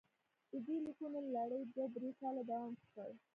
د دې لیکونو لړۍ دوه درې کاله دوام وکړ.